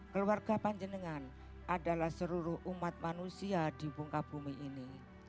keluarga panjenengan adalah seluruh umat manusia di bunga bumi ini